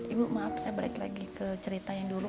ibu maaf saya balik lagi ke ceritanya dulu